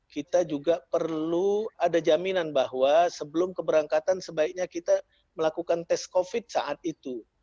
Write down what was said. kita juga perlu ada jaminan bahwa sebelum keberangkatan sebaiknya kita melakukan tes covid saat itu